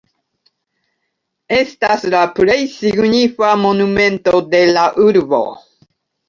Estas la plej signifa monumento de la urbo.